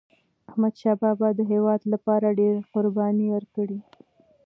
احمدشاه بابا د هیواد لپاره ډيري قربانی ورکړي.